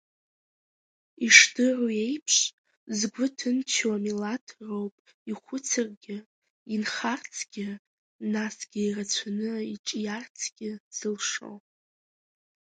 Ишдыру еиԥш, згәы ҭынчу амилаҭ роуп ихәыцырцгьы, инхарцгьы, насгьы ирацәаны иҿиарцгьы зылшо.